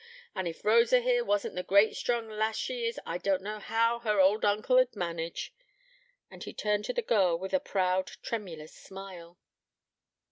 And if Rosa here wasn't the great, strong lass she is, I don't know how her old uncle'd manage;' and he turned to the girl with a proud, tremulous smile.